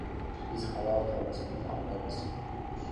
Биз халал колбасаны албайбыз.